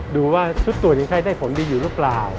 ดูว่าชุดตรวจยังไข้ได้ผลดีอยู่หรือเปล่า